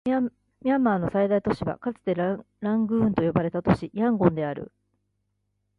ミャンマーの最大都市はかつてラングーンと呼ばれた都市、ヤンゴンである